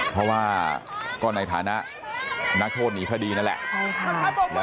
เพราะว่าก็ในฐานะนักโทษหนีคดีนั่นแหละใช่ค่ะ